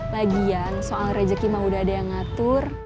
lagian soal rezeki mah udah ada yang ngatur